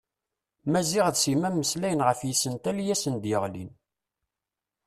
Maziɣ d Sima mmeslayen ɣef yisental i asen-d-yeɣlin.